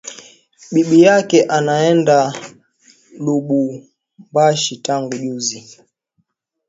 Bibi yake anaenda lubumbashi tangu juzi